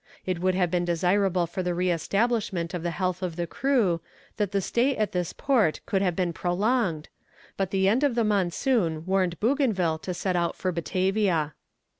It would have been desirable for the re establishment of the health of the crew, that the stay at this port could have been prolonged, but the end of the monsoon warned Bougainville to set out for Batavia.